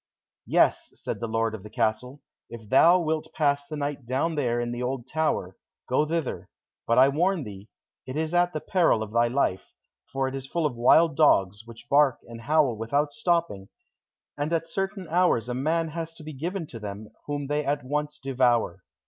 "Yes," said the lord of the castle, "if thou wilt pass the night down there in the old tower, go thither; but I warn thee, it is at the peril of thy life, for it is full of wild dogs, which bark and howl without stopping, and at certain hours a man has to be given to them, whom they at once devour."